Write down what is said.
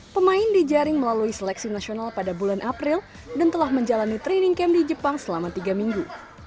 pemain dijaring melalui seleksi nasional pada bulan april dan telah menjalani training camp di jepang selama tiga minggu